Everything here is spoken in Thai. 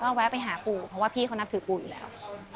ก็แวะไปหาปู่เพราะว่าพี่เขานับถือปู่อยู่แล้ว